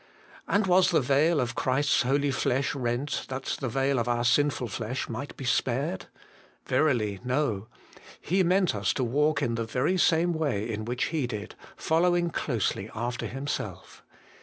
And was the veil of Christ's holy flesh rent that the veil of our sinful flesh might be spared ? Verily, no. He meant us to walk in the very same way in which He did, following closely after Himself.